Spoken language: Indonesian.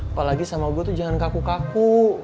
apalagi sama gue tuh jangan kaku kaku